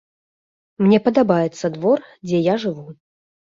Мне падабаецца двор, дзе я жыву.